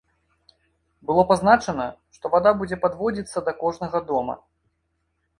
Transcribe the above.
Было пазначана, што вада будзе падводзіцца да кожнага дома.